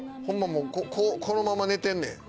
もうこのまま寝てんねん。